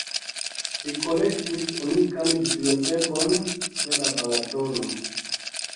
Li kolektis unikan bibliotekon de Balatono.